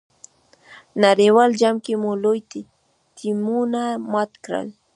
نړیوال جام کې مو لوی ټیمونه مات کړل.